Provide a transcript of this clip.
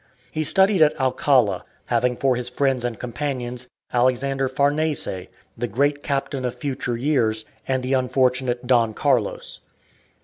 He studied at Alcala, having for his friends and companions Alexander Farnese, the "Great Captain" of future years, and the unfortunate Don Carlos.